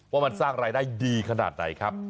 ว่ามันสร้างรายได้ดีขนาดไหนครับ